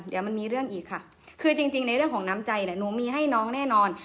เดี๋ยวมันมีเรื่องอีกค่ะคือจริงในเรื่องของน้ำใจเนี่ยหนูมีให้น้องแน่นอน